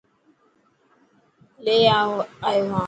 لي آيو هان.